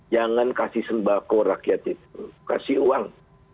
jangan kasih sembako rakyat itu kasih uang